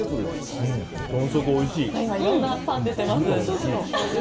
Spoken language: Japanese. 今、いろんなパンが出ています。